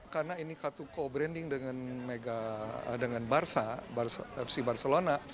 karena ini kartu co branding dengan fc barcelona